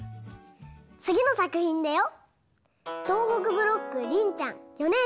つぎのさくひんだよ。